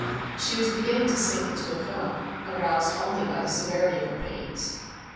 She was beginning to sink into a coma, aroused only by the severity of her pains.